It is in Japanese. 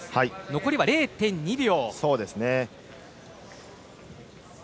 残りは０．２秒。